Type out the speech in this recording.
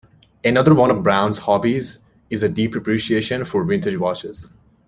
Another one of Brown's hobbies is a deep appreciation for vintage watches.